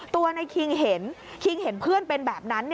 ตัวนายคิงเห็นเครื่องเป็นแบบนั้น